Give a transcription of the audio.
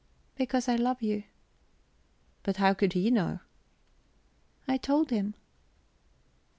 "Because I love you." "But how could he know?" "I told him."